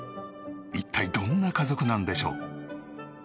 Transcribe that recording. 一体どんな家族なんでしょう？